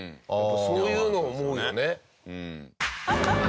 そういうの思うよね。